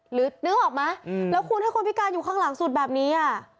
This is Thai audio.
หรือนึกออกมั้ยแล้วคุณให้คนพิการอยู่ข้างหลังสุดแบบนี้